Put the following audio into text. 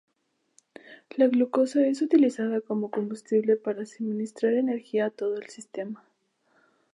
La glucosa es utilizada como combustible para suministrar energía a todo el sistema.